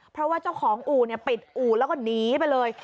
เพราะว่าเจ้าของอู่ปิดอู่แล้วก็หนีไปเลย